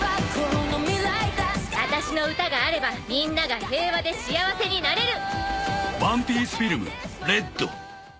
「あたしの歌があればみんなが平和で幸せになれる」